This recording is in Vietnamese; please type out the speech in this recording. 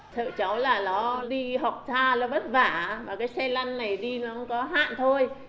sợ cháu là nó đi học xa nó bất vả mà cái xe lăn này đi nó không có hạn thôi